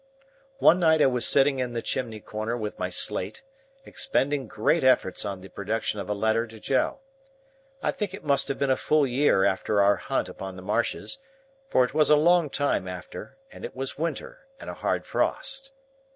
One night I was sitting in the chimney corner with my slate, expending great efforts on the production of a letter to Joe. I think it must have been a full year after our hunt upon the marshes, for it was a long time after, and it was winter and a hard frost.